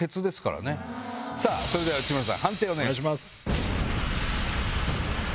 それでは内村さん判定お願いします。